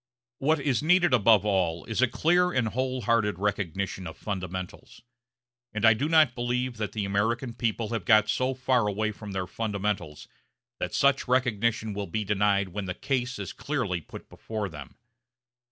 What is needed above all is a clear and wholehearted recognition of fundamentals. And I do not believe that the American people have got so far away from their fundamentals that such recognition will be denied when the case is clearly put before them.